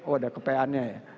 oh ada kepeannya ya